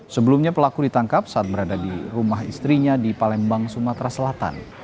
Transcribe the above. sebelumnya pelaku ditangkap saat berada di rumah istrinya di palembang sumatera selatan